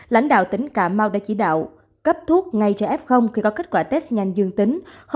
lãnh đạo tỉnh cà mau đã chỉ đạo cấp thuốc ngay cho f khi có kết quả test nhanh dương tính